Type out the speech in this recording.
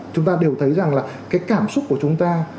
chúng ta đều thấy rằng là cái cảm xúc của chúng ta